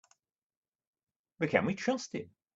But can we trust him?